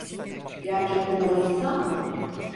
Gerçekten o insan mı?